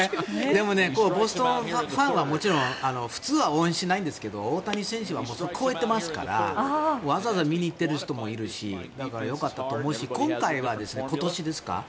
でもボストンファンはもちろん普通は応援しないんですけど大谷選手は超えてますからわざわざ見に行っている人もいるしだからよかったと思うし今回は今年ですか？